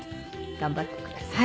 頑張ってください。